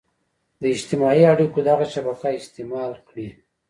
د اجتماعي اړيکو دغه شبکه استعمال کړي.